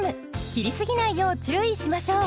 切りすぎないよう注意しましょう。